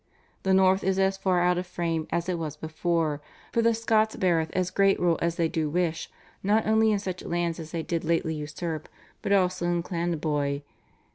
The North is as far out of frame as it was before, for the Scots beareth as great rule as they do wish, not only in such lands as they did lately usurp, but also in Clandeboy.